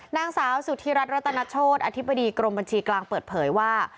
นางสาวสุธิรัฐรัตนโชธอธิบดีกรมบัญชีกลางเปิดเผยว่า